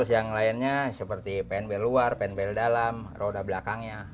yang lainnya seperti pen bel luar pen bel dalam roda belakangnya